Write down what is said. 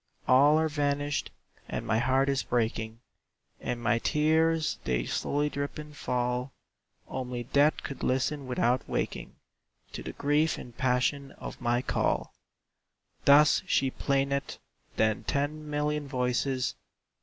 "All are vanished, and my heart is breaking; And my tears they slowly drip and fall; Only death could listen without waking To the grief and passion of my call!" Thus she plaineth. Then ten million voices.